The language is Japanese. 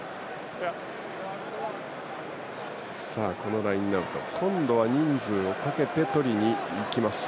このラインアウト今度は人数をかけて取りにいきます。